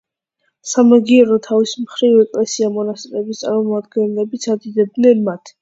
სამაგიეროდ, თავის მხრივ, ეკლესია-მონასტრების წარმომადგენლებიც ადიდებენ მათ.